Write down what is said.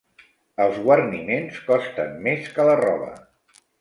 Els guarniments costen més que la roba.